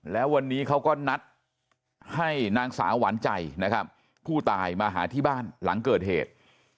แล้ววันนี้เขาก็นัดให้นางสาวหวานใจนะครับผู้ตายมาหาที่บ้านหลังเกิดเหตุ